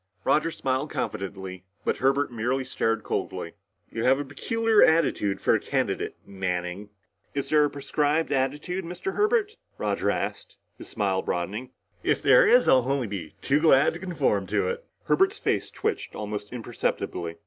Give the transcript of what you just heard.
Roger smiled confidently, but Herbert merely stared coldly. "You have a peculiar attitude for a candidate, Manning." "Is there a prescribed attitude, Mr. Herbert?" Roger asked, his smile broadening. "If there is, I'll be only too glad to conform to it." Herbert's face twitched almost imperceptibly.